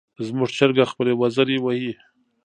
زموږ چرګه خپلې وزرې وهي.